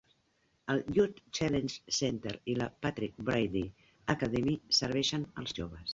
El Youth Challenge Center i la Patrick H. Brady Academy serveixen els joves.